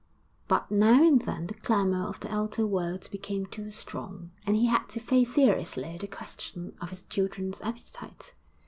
But now and then the clamour of the outer world became too strong, and he had to face seriously the question of his children's appetite.